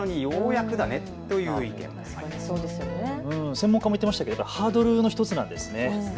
専門家も言っていましたけれどハードルの１つなんですね。